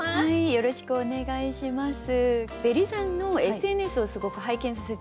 よろしくお願いします。